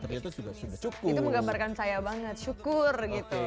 itu menggambarkan saya banget syukur gitu